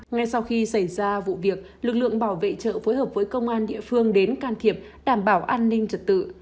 ngay sau khi xảy ra vụ việc lực lượng bảo vệ chợ phối hợp với công an địa phương đến can thiệp đảm bảo an ninh trật tự